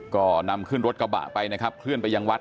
ก็นำขึ้นรถกระบะไปนะครับเคลื่อนไปยังวัด